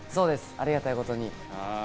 ありがたいことに。